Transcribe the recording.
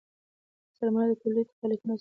سرمایه د تولید فعالیتونه آسانوي.